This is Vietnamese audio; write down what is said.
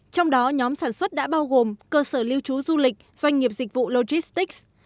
trong đó nhóm sản xuất đã bao gồm cơ sở lưu trú du lịch doanh nghiệp dịch vụ logistics